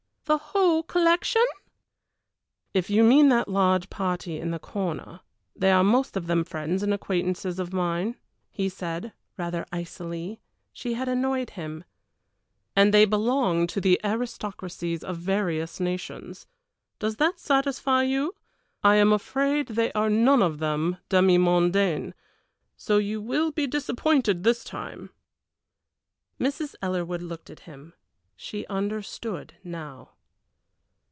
the whole collection?" "If you mean that large party in the corner, they are most of them friends and acquaintances of mine," he said, rather icily she had annoyed him "and they belong to the aristocracies of various nations. Does that satisfy you? I am afraid they are none of them demimondaines, so you will be disappointed this time!" Mrs. Ellerwood looked at him; she understood now.